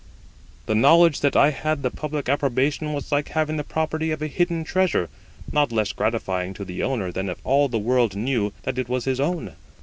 The knowledge that I had the public approbation was like having the property of a hidden treasure, not less gratifying to the owner than if all the world knew that it was his own.